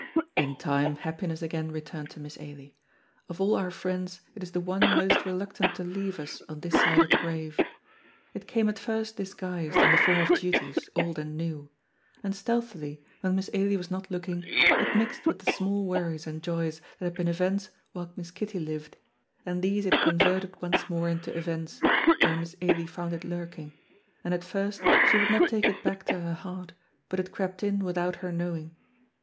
In time happiness again returned to Miss Ailie; of all our friends it is the one most reluctant to leave us on this side of the grave. It came at first disguised, in the form of duties, old and new; and stealthily, when Miss Ailie was not looking, it mixed with the small worries and joys that had been events while Miss Kitty lived, and these it converted once more into events, where Miss Ailie found it lurking, and at first she would not take it back to her heart, but it crept in without her knowing.